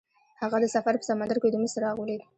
هغه د سفر په سمندر کې د امید څراغ ولید.